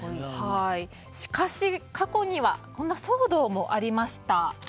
しかし、過去にはこんな騒動もありました。